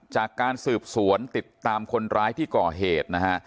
จากการสืบสวนติดตามคนร้ายที่ก่อเหตุนะฮะ